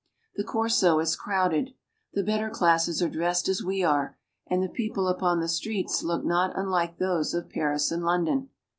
The Corso is crowded. The better classes are dressed as we are, and the people upon the streets look not unlike those of Paris and London.